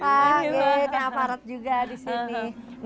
pak kayak aparat juga di sini